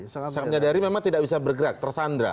sangat menyadari memang tidak bisa bergerak tersandra